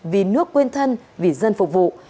vì nước quên thân vì dân phục vụ